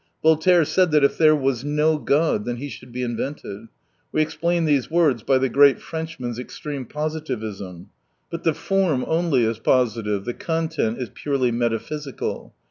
Voltaire said that if there was no God, then He should be invented. We explain these words by the great French man's extreme positivism. But the form only is positive, the content is purely metaphysical.